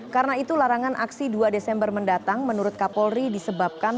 karena itu larangan aksi dua desember mendatang menurut kapolri disebabkan